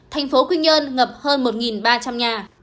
thành phố quy nhơn ngập hơn một ba trăm linh nhà